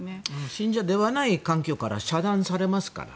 信者ではない環境から遮断されますから。